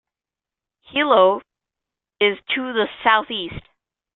Hilo is to the southeast.